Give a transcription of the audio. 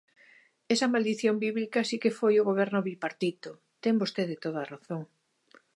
Esa maldición bíblica si que foi o Goberno bipartito, ten vostede toda a razón.